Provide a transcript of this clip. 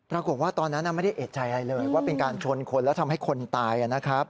ตอนนั้นไม่ได้เอกใจอะไรเลยว่าเป็นการชนคนแล้วทำให้คนตายนะครับ